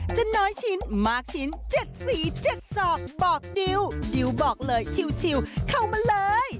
จะน้อยชิ้นมากชิ้น๗สี๗ศอกบอกดิวดิวบอกเลยชิวเข้ามาเลย